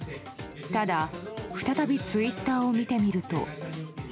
ただ、再びツイッターを見てみると。